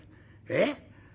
えっ？